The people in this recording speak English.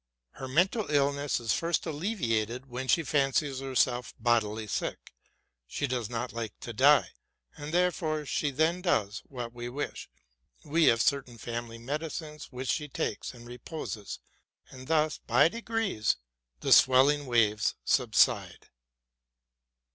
Her mental illness is first alleviated when she fancies herself bodily sick: she does not like to die, and therefore she then does what we wish. We have certain family medicines which she takes, and reposes ; and thus, by degrees, the swelling waves subside.